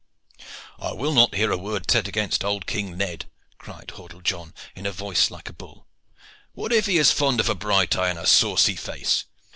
"I will not hear a word said against old King Ned," cried Hordle John in a voice like a bull. "What if he is fond of a bright eye and a saucy face.